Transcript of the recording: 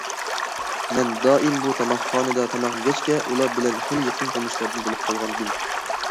مەن دائىم بۇ تاماقخانىدا تاماق يېگەچكە، ئۇلار بىلەن خېلى يېقىن تونۇشلاردىن بولۇپ قالغانىدىم.